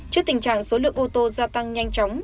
trước tình trạng số lượng ô tô gia tăng nhanh chóng